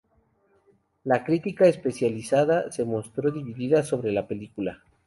La crítica especializada se mostró divida sobre la película.